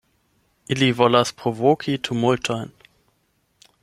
Ili volas provoki tumultojn.